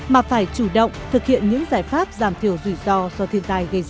mà phải chủ động thực hiện những giải pháp giảm thiểu rủi ro do thiên tai gây ra